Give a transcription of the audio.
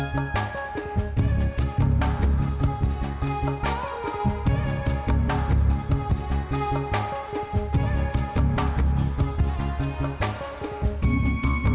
tempat ini bukan sana